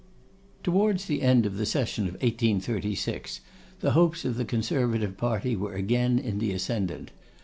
Towards the end of the session of 1836, the hopes of the Conservative party were again in the ascendant.